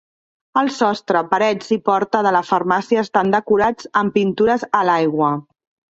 El sostre, parets i porta de la farmàcia estan decorats amb pintures a l'aigua.